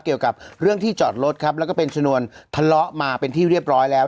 เกี่ยวกับเรื่องที่จอดรถครับแล้วก็เป็นชนวนทะเลาะมาเป็นที่เรียบร้อยแล้ว